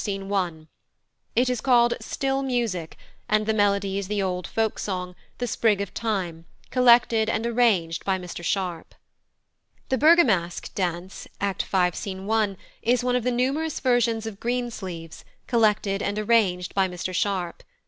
Scene 1; it is called "Still Music," and the melody is the old folk song, "The sprig of thyme," collected and arranged by Mr Sharp. The Bergamask dance, Act v., Scene 1, is one of the numerous versions of "Green Sleeves," collected and arranged by Mr Sharp.